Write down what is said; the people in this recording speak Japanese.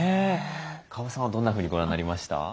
川端さんはどんなふうにご覧になりました？